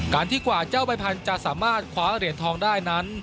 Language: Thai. ที่กว่าเจ้าใบพันธุ์จะสามารถคว้าเหรียญทองได้นั้น